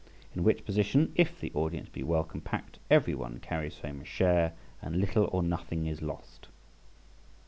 In which position, if the audience be well compact, every one carries home a share, and little or nothing is lost.